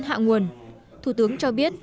hạ nguồn thủ tướng cho biết